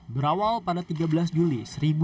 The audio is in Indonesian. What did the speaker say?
berawal pada tiga belas juli seribu sembilan ratus enam puluh